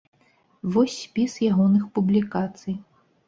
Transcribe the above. Вось спіс ягоных публікацый.